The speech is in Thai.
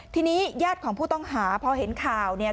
ทีนี้ญาติของผู้ต้องหาพอเห็นข่าวเนี่ย